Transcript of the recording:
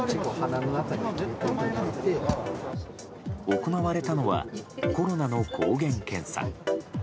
行われたのはコロナの抗原検査。